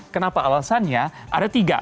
kenapa alasannya ada tiga